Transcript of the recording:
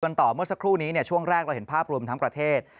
ต่อเมื่อสักครู่นี้ช่วงแรกเราเห็นภาพรวมทั้งประเทศ